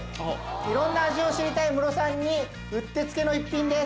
いろんな味を知りたいムロさんにうってつけの一品です。